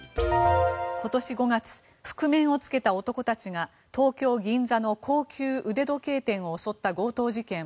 今年５月、覆面をつけた男たちが東京・銀座の高級腕時計店を襲った強盗事件。